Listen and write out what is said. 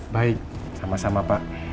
baik sama sama pak